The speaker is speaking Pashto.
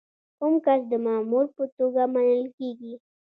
کوم کس د مامور په توګه منل کیږي؟